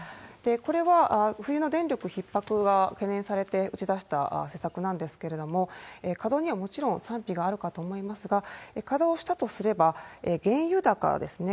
これは冬の電力ひっ迫が懸念されて打ち出した施策なんですけれども、稼働にはもちろん賛否があるかと思いますが、稼働したとすれば、原油高ですね。